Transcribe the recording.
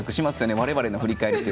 我々の振り返り。